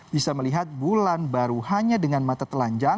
bisa melihat bulan baru hanya dengan mata telanjang